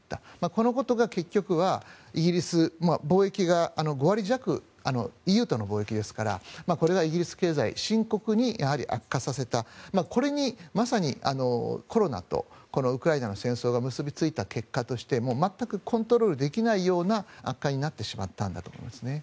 このことが結局はイギリス貿易が５割弱ＥＵとの貿易ですからこれはイギリス経済を深刻に悪化させたこれにまさにコロナとウクライナの戦争が結びついた結果として全くコントロールできないような悪化になってしまったんだと思うんですね。